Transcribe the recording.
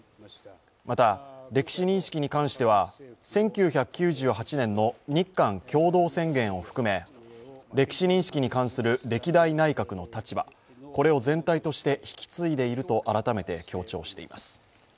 また歴史認識に関しては１９９８年の日韓共同宣言を含め歴史認識に関する歴代内閣の立場、これを引き継いでいると改めて強調しています。